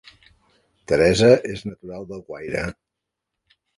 Teresa és natural d'Alguaire